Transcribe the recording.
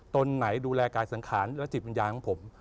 ตนไหนดูแลกายสังขารและจิตวิญญาณของผม